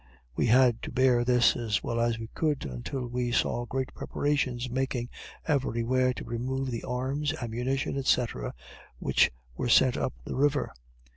We had to bear this as well as we could, until we saw great preparations making every where to remove the arms, ammunition, &c., which were sent up the river.